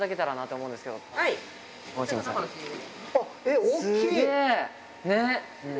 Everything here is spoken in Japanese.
えっ、大きい。